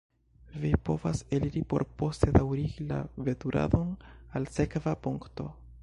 Vi povas eliri por poste daŭrigi la veturadon al sekva punkto.